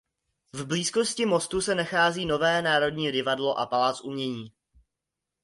V blízkosti mostu se nachází nové Národní divadlo a Palác umění.